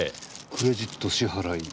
クレジット支払い。